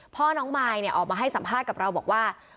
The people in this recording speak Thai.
พ่อน้องมายออกมาให้สัมภาษณ์กับเราบอกว่า